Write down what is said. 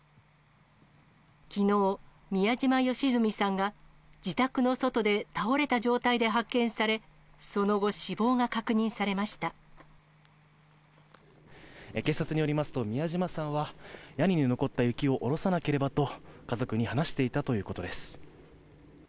きのう、宮嶋よしずみさんが自宅の外で倒れた状態で発見され、その後、警察によりますと、宮嶋さんは、屋根に残った雪を下ろさなければと、家族に話していたということです。